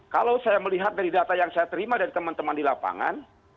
kalau saya melihat dari data yang saya terima dari teman teman di lapangan